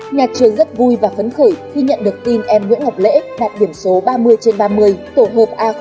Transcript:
nhà trường rất vui và phấn khởi khi nhận được tin em nguyễn ngọc lễ đặt biển số ba mươi trên ba mươi tổ hợp a